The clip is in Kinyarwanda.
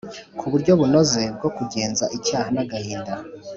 ku buryo bunoze bwo kugenza icyaha n’agahinda.